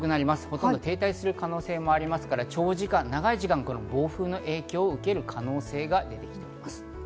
ほとんど停滞する可能性もありますから長時間、長い時間、暴風の影響を受ける可能性が出てきております。